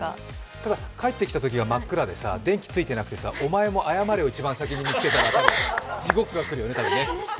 ただ、帰ってきたときは真っ暗でさ、お前もあやまれを一番最初に見つけたら地獄が来るよね、多分ね。